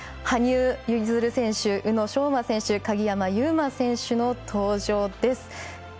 羽生結弦選手宇野昌磨選手、鍵山優真選手の登場です。